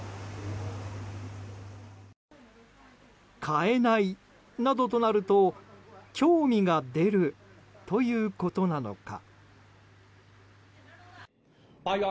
買えないなどとなると興味が出るということなのか。